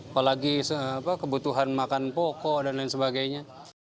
apalagi kebutuhan makan pokok dan lain sebagainya